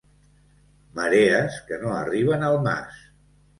Marees que no arriben al mas.